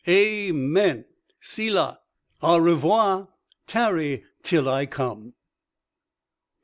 Amen. Selah. Au revoir. Tarry till I come."